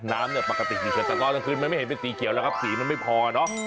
น้ำเนี่ยปกติดีแต่ตอนกลางคืนมันไม่เห็นเป็นสีเขียวแล้วครับสีมันไม่พอเนอะ